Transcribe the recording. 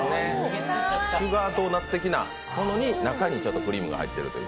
シュガードーナツ的なもの中にクリームがついていると。